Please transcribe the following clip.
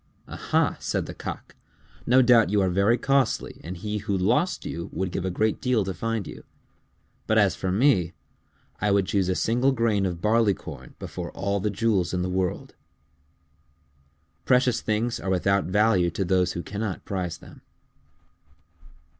"Aha!" said the Cock. "No doubt you are very costly and he who lost you would give a great deal to find you. But as for me, I would choose a single grain of barleycorn before all the jewels in the world." _Precious things are without value to those who cannot prize them.